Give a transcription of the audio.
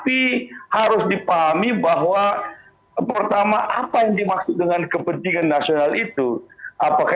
itu bisa saja